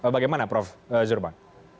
bagaimana prof zurbah